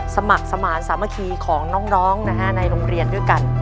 สมัครสมาร์ทสามัคคีของน้องในโรงเรียนด้วยกัน